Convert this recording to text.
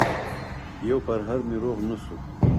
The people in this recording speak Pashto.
يو پرهر مې روغ نه شو